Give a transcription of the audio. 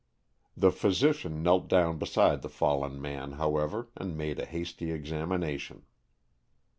The physician knelt down beside the fallen man, however, and made a hasty examination.